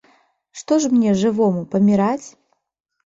Што ж мне, жывому, паміраць?